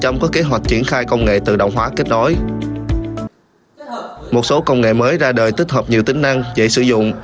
một số công nghệ mới ra đời tích hợp nhiều tính năng dễ sử dụng